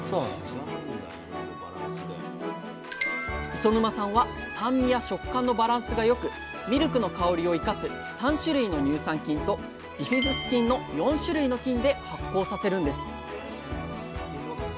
磯沼さんは酸味や食感のバランスが良くミルクの香りを生かす３種類の乳酸菌とビフィズス菌の４種類の菌で発酵させるんです